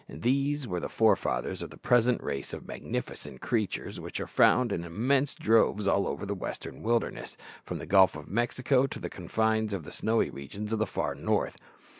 These were the forefathers of the present race of magnificent creatures which are found in immense droves all over the western wilderness, from the Gulf of Mexico to the confines of the snowy regions of the far north.